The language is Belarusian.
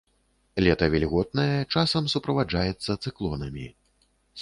Лета вільготнае, часам суправаджаецца цыклонамі.